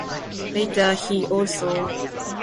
Later he also received additional piano lessons.